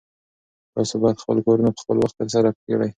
تاسو باید خپل کارونه په خپل وخت ترسره کړئ.